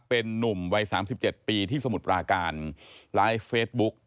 เป็นนุ่มวัย๓๗ปีที่สมุทรปราการไลฟ์เฟซบุ๊ก